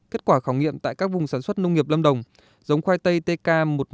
kết quả khảo nghiệm tại các vùng sản xuất nông nghiệp lâm đồng giống khoai tây tk một nghìn năm trăm tám mươi